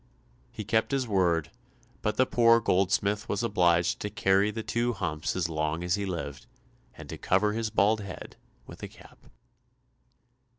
He kept his word, but the poor goldsmith was obliged to carry the two humps as long as he lived, and to cover his bald head with a cap.